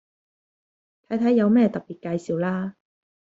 睇睇有咩特別介紹啦